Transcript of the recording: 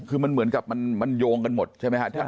คือมันเหมือนกับมันโยงกันหมดใช่ไหมครับ